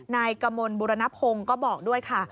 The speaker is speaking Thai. นายกมลบุรณพงศ์ก็บอกด้วยค่ะ